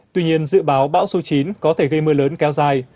tuy nhiên dự báo bão số chín có thể gây mưa lớn kéo dài